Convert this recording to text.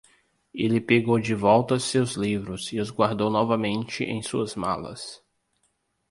Ele pegou de volta seus livros e os guardou novamente em suas malas.